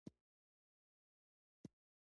د انسان د ژوند ټولو برخو ته شامل دی،